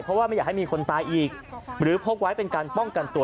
เพราะว่าไม่อยากให้มีคนตายอีกหรือพกไว้เป็นการป้องกันตัว